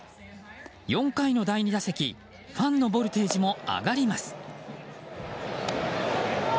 ４回の第２打席ファンのボルテージも上がります。